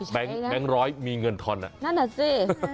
แบงค์ร้อยมีเงินทอนนั่นแหละสิ